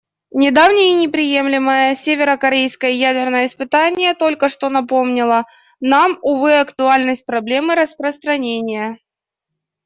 Недавнее и неприемлемое северокорейское ядерное испытание только что напомнило нам, увы, актуальность проблемы распространения.